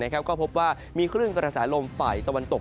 ก็พบว่ามีคลื่นกระแสลมฝ่ายตะวันตก